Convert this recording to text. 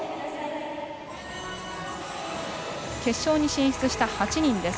決勝に進出した８人です。